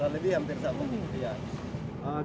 pada waktu yang sama